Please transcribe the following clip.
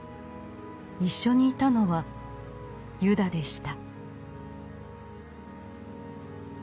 一緒にいたのはユダでした。